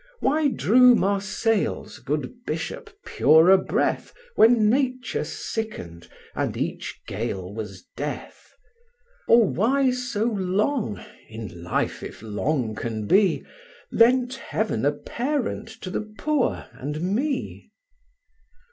Why drew Marseilles' good bishop purer breath, When Nature sickened, and each gale was death? Or why so long (in life if long can be) Lent Heaven a parent to the poor and me?